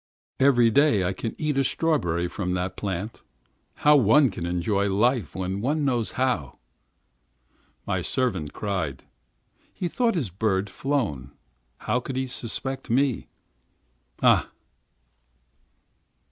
Every day I shall eat a strawberry from that plant. How one can enjoy life when one knows how! My servant cried; he thought his bird flown. How could he suspect me? Ah!